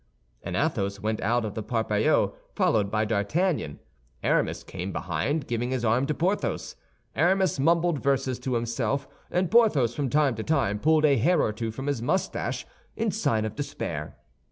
And Athos went out of the Parpaillot, followed by D'Artagnan. Aramis came behind, giving his arm to Porthos. Aramis mumbled verses to himself, and Porthos from time to time pulled a hair or two from his mustache, in sign of despair.